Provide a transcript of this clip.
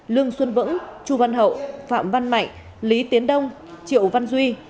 lương xuân vững chu văn hậu phạm văn mạnh lý tiến đông triệu văn duy